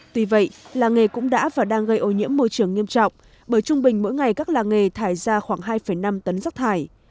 tuy vậy làng nghề cũng đã và đang gây ô nhiễm môi trường nghiêm trọng bởi trung bình mỗi ngày các làng nghề thải ra khoảng hai năm tấn rắc thải